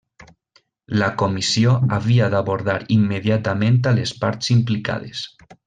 La Comissió havia d'abordar immediatament a les parts implicades.